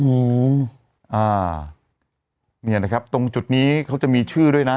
อืมอ่าเนี่ยนะครับตรงจุดนี้เขาจะมีชื่อด้วยนะ